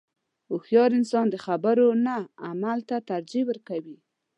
• هوښیار انسان د خبرو نه عمل ته ترجیح ورکوي.